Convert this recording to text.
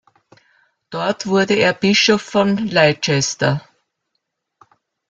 Dort wurde er Bischof von Leicester.